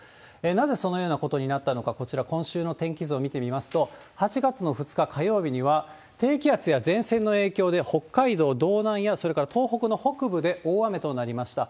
なぜそのようなことになったのか、こちら、今週の天気図を見てみますと、８月の２日火曜日には、低気圧や前線の影響で北海道道南や、それから東北の北部で大雨となりました。